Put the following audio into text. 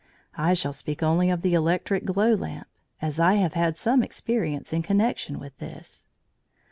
I shall speak only of the electric glow lamp, as I have had some experience in connection with this.